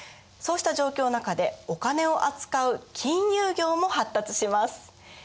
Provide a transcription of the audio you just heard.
そうした状況の中でお金を扱う金融業も発達します。